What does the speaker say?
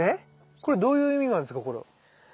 これどういう意味があるんですか？